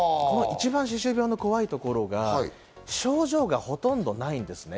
歯周病の一番怖いところが症状がほとんどないんですね。